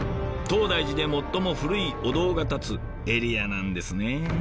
東大寺で最も古いお堂が立つエリアなんですね。